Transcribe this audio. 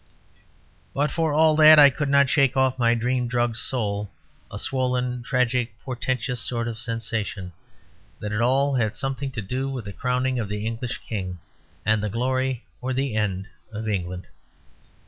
But for all that I could not shake off my dream drugged soul a swollen, tragic, portentous sort of sensation, that it all had something to do with the crowning of the English King, and the glory or the end of England.